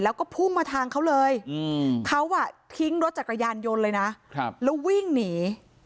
แล้วก็พุ่งมาทางเขาเลยเขาทิ้งรถจักรยานยนต์เลยนะแล้ววิ่งหนี